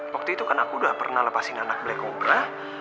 waktu itu kan aku udah pernah lepasin anak black kobra